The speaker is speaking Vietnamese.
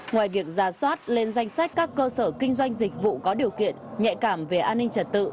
ngoài việc giả soát lên danh sách các cơ sở kinh doanh dịch vụ có điều kiện nhạy cảm về an ninh trật tự